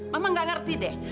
mama gak ngerti deh